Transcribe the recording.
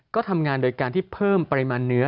ก็ทำงานโดยการที่เพิ่มปริมาณเนื้อ